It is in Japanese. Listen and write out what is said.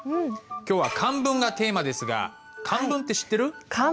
今日は「漢文」がテーマですが漢文って知ってる？